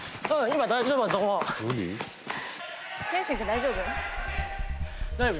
「大丈夫よ」